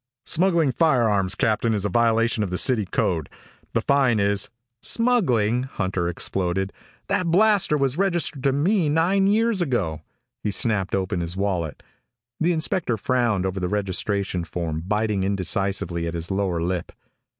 "Smuggling firearms, Captain, is a violation of the city code. The fine is " "Smuggling?" Hunter exploded. "That blaster was registered to me nine years ago." He snapped open his wallet. The inspector frowned over the registration form, biting indecisively at his lower lip.